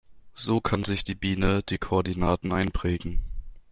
So kann sich die Biene die Koordinaten einprägen.